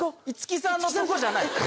五木さんのとこじゃない。